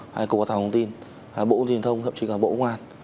hay cộng quan thông tin bộ công tin thông thậm chí là bộ công an